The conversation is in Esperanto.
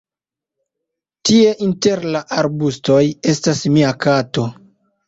Tie, inter la arbustoj, estas mia kato.